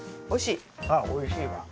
あっおいしいわ。